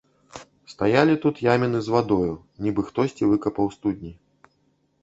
Стаялі тут яміны з вадою, нібы хтосьці выкапаў студні.